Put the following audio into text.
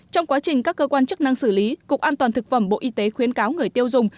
trong quá trình các cơ quan chức năng xử lý cục an toàn thực phẩm bộ y tế khuyến cáo người tiêu dùng